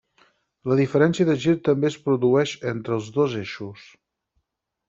La diferència de gir també es produeix entre els dos eixos.